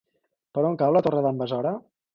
Per on cau la Torre d'en Besora?